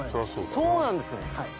そうなんですね。